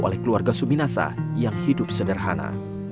oleh keluarga suminasa yang hidup sederhana